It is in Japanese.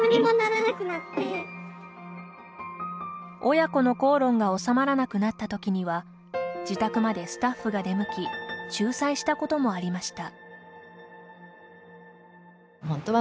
親子の口論が収まらなくなったときには自宅までスタッフが出向き仲裁したこともありました。